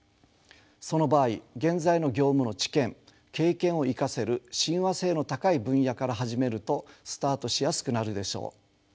その場合現在の業務の知見経験を生かせる親和性の高い分野から始めるとスタートしやすくなるでしょう。